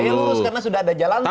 saya lurus karena sudah ada jalan tol